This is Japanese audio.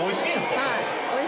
はい。